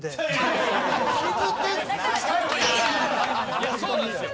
いやそうなんですよ。